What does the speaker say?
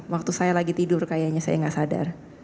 waktu saya lagi tidur kayaknya saya nggak sadar